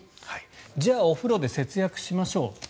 じゃあお風呂で節約しましょう。